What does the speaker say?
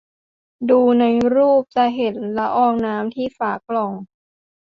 ดูในรูปจะเห็นละอองน้ำที่ฝากล่อง